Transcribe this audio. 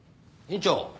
院長。